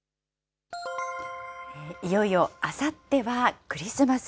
いよいよあさってはクリスマス。